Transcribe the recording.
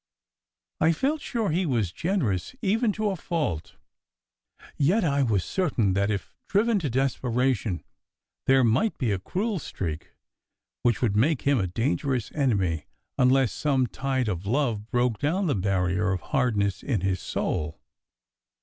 I felt sure that he was generous even to a fault, yet I was certain that, if driven to despera tion, there might be a cruel streak which would make him a dangerous enemy unless some tide of love broke down the barrier of hardness in his soul.